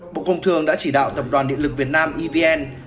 bộ công thương đã chỉ đạo tập đoàn điện lực việt nam evn